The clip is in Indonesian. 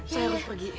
saya harus pergi